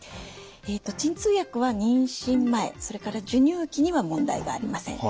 鎮痛薬は妊娠前それから授乳期には問題がありません。